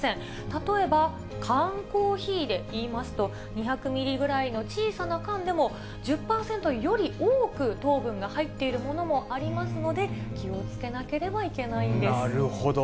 例えば、缶コーヒーでいいますと、２００ミリぐらいの小さな缶でも、１０％より多く糖分が入っているものもありますので、気をつけななるほど。